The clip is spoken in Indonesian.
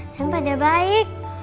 sayang pada baik